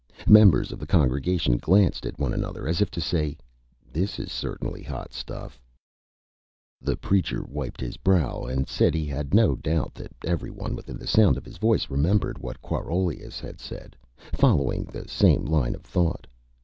Members of the Congregation glanced at one another as if to say: "This is certainly Hot Stuff!" [Illustration: GOOD AND PLENTY] The Preacher wiped his Brow and said he had no Doubt that every one within the Sound of his Voice remembered what Quarolius had said, following the same Line of Thought.